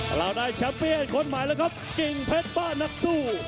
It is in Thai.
เราได้แชมเปียนคนใหม่แล้วครับกิ่งเพชรบ้านนักสู้